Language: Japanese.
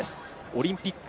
オリンピック２